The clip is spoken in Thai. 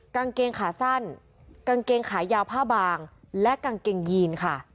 กางเกงขาสั้นกางเกงขายาวผ้าบางและกางเกงยีนค่ะ